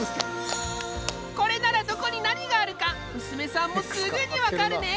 これならどこに何があるか娘さんもすぐに分かるね！